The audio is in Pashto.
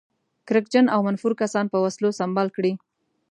کرکجن او منفور کسان په وسلو سمبال کړي.